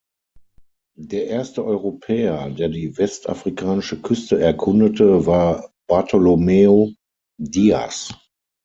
Der erste Europäer, der die westafrikanische Küste erkundete, war Bartolomeu Diaz.